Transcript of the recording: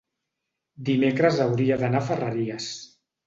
Dimecres hauria d'anar a Ferreries.